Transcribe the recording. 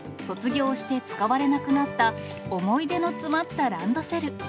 卒業して使われなくなった思い出の詰まったランドセル。